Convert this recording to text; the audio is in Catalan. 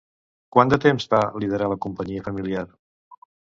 Quant de temps va liderar la companyia familiar?